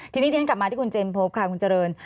ทีนี้ที่ฉันกลับมาที่คุณเจมสบค่ะคุณเจริญ